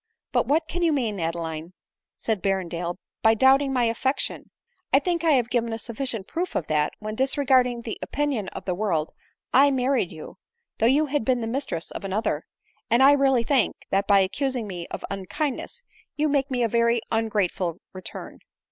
" But what can you mean, Adeline," said Berrendale, "by doubting my affection ? I think I gave a sufficient proof of that, when, disregarding the opinion of the world, I married you, though you had been the mistress of another ; and I really think, that by accusing me of unkindness, you make me a very ungrateful return."